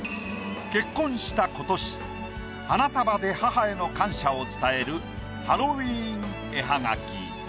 結婚した今年花束で母への感謝を伝えるハロウィーン絵葉書。